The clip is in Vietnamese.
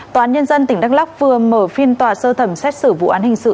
tòa án nhân dân tỉnh đắk lóc vừa mở phiên tòa sơ thẩm xét xử vụ án hình sự